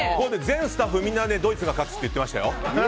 全スタッフみんなドイツが勝つって言ってましたよ。